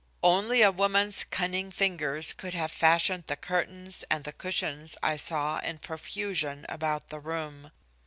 Only a woman's cunning fingers could have fashioned the curtains and the cushions I saw in profusion about the room.